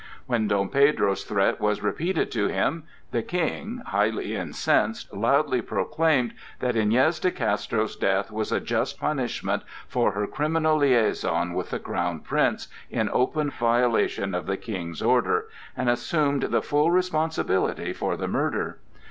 When Dom Pedro's threat was repeated to him, the King, highly incensed, loudly proclaimed that Iñez de Castro's death was a just punishment for her criminal liaison with the Crown Prince, in open violation of the King's order, and assumed the full responsibility for the murder.